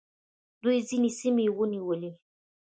دوی ځینې سیمې ونیولې